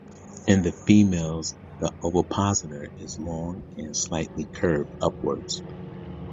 In the females the ovipositor is long and slightly curved upwards.